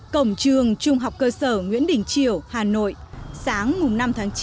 cổng trường trung học cơ sở nguyễn đình triều hà nội sáng năm tháng chín